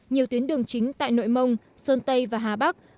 nhiều tuyến đường chính tại nội mông sơn tây và hà bắc